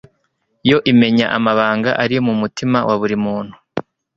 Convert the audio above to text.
yo imenya amabanga ari mu mutima wa buri muntu?